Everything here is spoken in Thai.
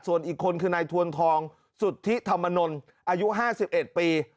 ส่วนอีกคนคือนายทวนทองสุธิธรรมนลอายุ๕๑ปี